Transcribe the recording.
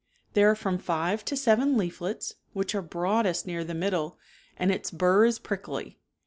There are from five to seven leaflets, which are broadest near the middle and its burr is prickly.